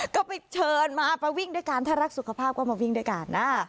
ก็ไปเชิญมามาวิ่งด้วยกันถ้ารักสุขภาพก็มาวิ่งด้วยกันนะ